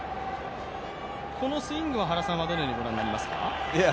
このスイングはどのようにご覧になりますか？